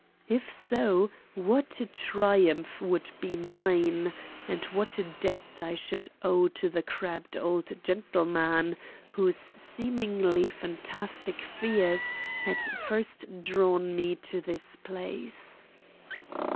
If so, what a triumph would be mine; and what a debt I should owe to the crabbed old gentleman whose seemingly fantastic fears had first drawn me to this place!